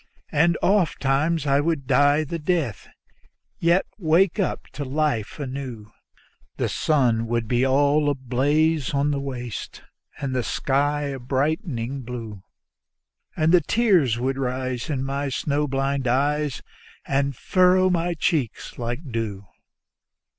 And oftentimes I would die the death, yet wake up to life anew; The sun would be all ablaze on the waste, and the sky a blighting blue, And the tears would rise in my snow blind eyes and furrow my cheeks like dew.